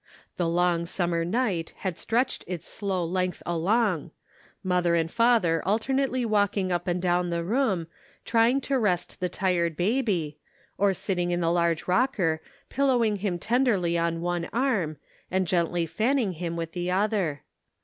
The long summer night had stretched 348 The Pocket Measure. its slow length along; mother and father al ternately walking up and down the room trying to rest the tired baby, or sitting in the large rocker, pillowing him tenderly on one arm, and gently fanning him with the other.